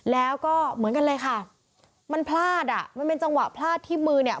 แล้วก็เหมือนกันเลยค่ะมันพลาดอ่ะมันเป็นจังหวะพลาดที่มือเนี่ย